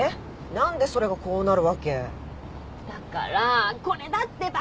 何でそれがこうなるわけ？だからこれだってば！